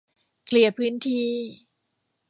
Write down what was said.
เคลียร์พื้นที่